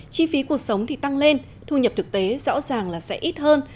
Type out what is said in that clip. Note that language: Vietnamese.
chi phí cuộc sống thì tăng lên thu nhập thực tế rõ ràng là sẽ ít hơn